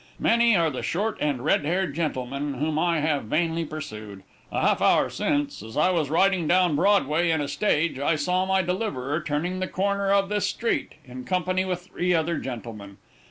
Many are the short and red haired gentlemen whom I have vainly pursued. A half hour since, as I was riding down Broadway in a stage, I saw my deliverer turning the corner of this street, in company with three other gentlemen.